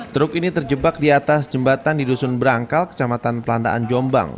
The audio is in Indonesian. truk ini terjebak di atas jembatan di dusun berangkal kecamatan pelandaan jombang